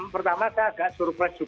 pertama saya agak suruh